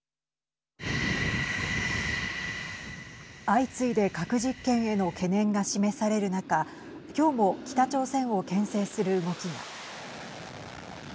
相次いで核実験への懸念が示される中きょうも北朝鮮をけん制する動きが。